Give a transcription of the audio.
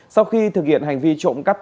sau khi thực hiện hành vi trộm cắp